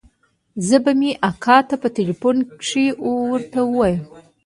زه به مې اکا ته په ټېلفون کښې ورته ووايم.